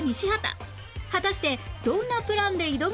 果たしてどんなプランで挑むのか？